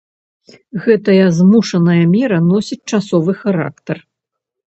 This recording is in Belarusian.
Гэтая змушаная мера носіць часовы характар.